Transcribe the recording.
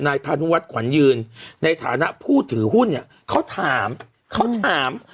นายพาณวัฒน์ขวัญยืนในฐานะผู้ถือหุ้นเนี่ยเขาถาม